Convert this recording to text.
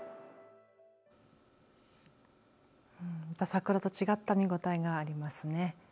桜と違った見応えがありますね。